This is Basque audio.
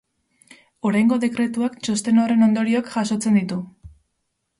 Oraingo dekretuak txosten horren ondorioak jasotzen ditu.